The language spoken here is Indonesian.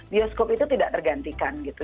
bioskop itu tidak tergantikan gitu